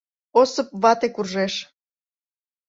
Осып вате куржеш.